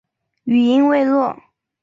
语音未落